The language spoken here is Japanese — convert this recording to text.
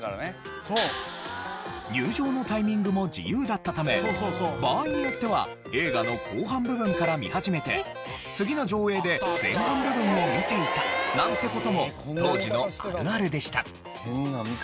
入場のタイミングも自由だったため場合によっては映画の後半部分から見始めて次の上映で前半部分を見ていたなんて事も当時のあるあるでした。